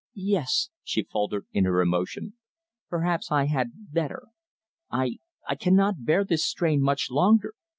"Yes," she faltered in her emotion. "Perhaps I had better. I I cannot bear this strain much longer.